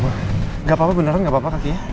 gak apa apa beneran gak apa apa kakinya